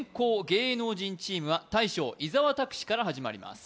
芸能人チームは大将伊沢拓司から始まります